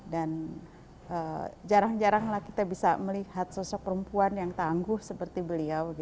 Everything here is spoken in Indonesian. dan jarang jaranglah kita bisa melihat sosok perempuan yang tangguh seperti beliau